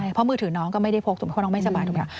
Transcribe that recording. เพราะมือถือน้องก็ไม่ได้พกสมมติคนน้องไม่สบาย